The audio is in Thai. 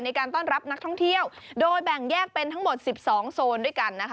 ในการต้อนรับนักท่องเที่ยวโดยแบ่งแยกเป็นทั้งหมด๑๒โซนด้วยกันนะคะ